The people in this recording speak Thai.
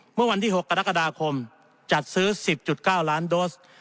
เมื่อวันที่๖กรกฎาคมจัดซื้อ๑๐๙ล้านโดส